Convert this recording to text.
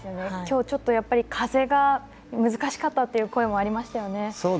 きょうちょっと風が難しかったという声もありましたよね。